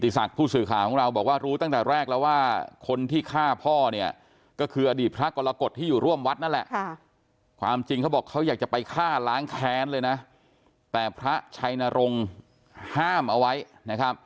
ส่วนลูกชายคนกลางของพระรุน